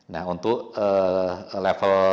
nah untuk level